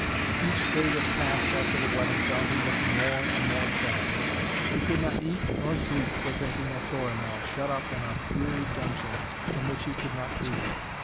Each day that passed after the wedding found him looking more and more sad. He could not eat nor sleep for thinking of Florimell, shut up in a dreary dungeon from which he could not free her.